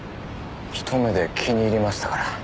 一目で気に入りましたから。